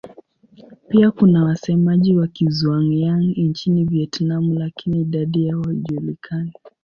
Pia kuna wasemaji wa Kizhuang-Yang nchini Vietnam lakini idadi yao haijulikani.